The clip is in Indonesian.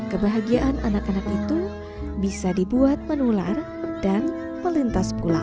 kebahagiaan anak anak itu bisa dibuat menular dan melintas pulang